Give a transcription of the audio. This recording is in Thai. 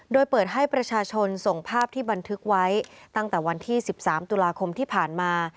โดยเปิดให้ประชาชนส่งภาพที่บันทึกไว้ตั้งแต่วันที่๑๓ตุลาคมที่ผ่านมา